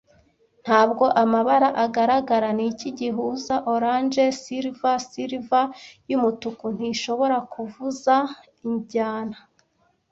Ntabwo amabara agaragara - niki gihuza orange silver silver yumutuku Ntishobora kuvuza injyana